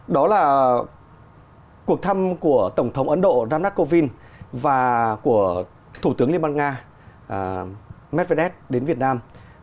đó là cuộc thăm của tổng thống ấn độ ramnath kovind và của thủ tướng liên bang nga medvedev đến việt nam